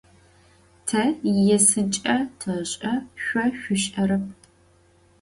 Te yêsıç'e teş'e, şso şsuş'erep.